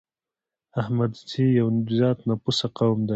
احمدزي يو زيات نفوسه قوم دی